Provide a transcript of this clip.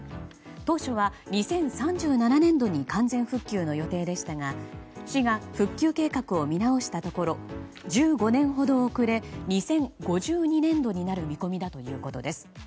当初は２０３７年度に完全復旧の予定でしたが市が復旧計画を見直したところ１５年ほど遅れ２０５２年度になる見込みだということです。